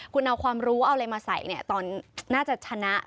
คุณเอาความรู้เอาอะไรมาใส่เนี่ยตอนน่าจะชนะ